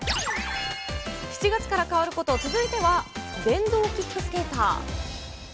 ７月から変わること、続いては、電動キックスケーター。